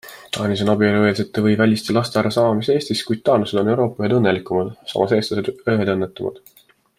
Taanis on abielueelsete või -väliste laste arv sama mis Eestis, kuid taanlased on Euroopa ühed õnnelikumad, samas eestlased ühed õnnetumad.